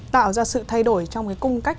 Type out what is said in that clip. tạo ra sự thay đổi trong cái cung cách